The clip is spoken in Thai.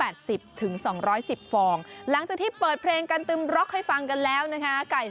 แล้วก็ลูกเด็กฟังเพลงใช่ไหมคะลูกเราก็ออกมาอารมณ์ดีก็เหมือนไข่ไก่ค่ะ